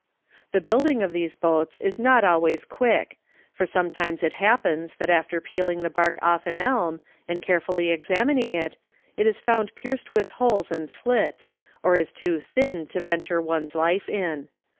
"The building of these boats is not always quick; for sometimes it happens that after peeling the bark off an elm, and carefully examining it, it is found pierced with holes and slits, or is too thin to venture one's life in.